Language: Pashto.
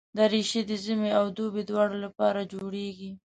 دریشي د ژمي او دوبي دواړو لپاره جوړېږي.